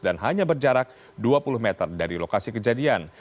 dan hanya berjarak dua puluh meter dari lokasi kejadian